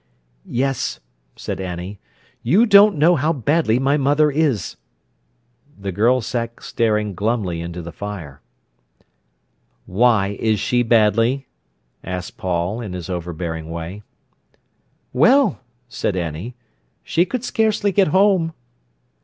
"Yes," said Annie, "you don't know how badly my mother is!" The girl sat staring glumly into the fire. "Why is she badly?" asked Paul, in his overbearing way. "Well!" said Annie. "She could scarcely get home."